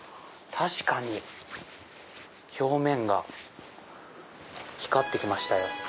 確かに表面が光って来ましたよ。